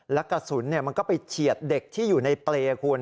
แล้วกระสุนมันก็ไปเฉียดเด็กที่อยู่ในเปรย์คุณ